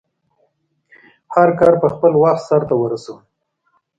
هرکار په خپل وخټ سرته ورسوی